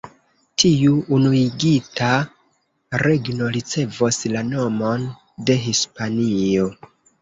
Tiu unuigita regno ricevos la nomon de Hispanio.